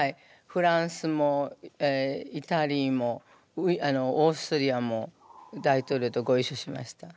フランスもイタリーもオーストリアも大統領とごいっしょしました。